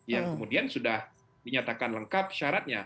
yang kemudian sudah dinyatakan lengkap syaratnya